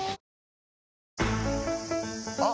あ！